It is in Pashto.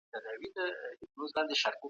هغه مهال دوی په پوره تسليمۍ عبادت کاوه.